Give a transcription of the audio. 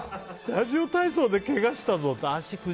ラジオ体操でけがしたぞって。